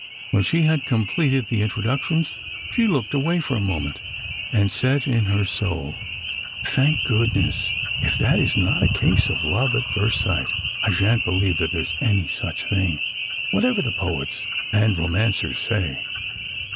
When she had completed the introductions she looked away for a moment, and said in her soul: "Thank goodness! If that is not a case of love at first sight, I shan't believe that there is any such thing, whatever the poets and romancers may say."